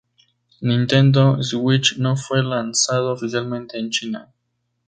Nintendo Switch no fue lanzado oficialmente en China.